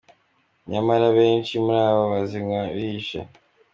Nyamara benshi muli bo bazinywa bihishe.